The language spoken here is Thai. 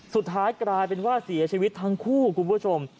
สุดท้ายกลายเป็นว่าเสียชีวิตทั้งคู่คุณผู้ชม